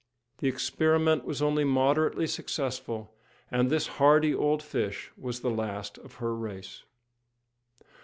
The experiment was only moderately successful, and this hardy old fish was the last of her race.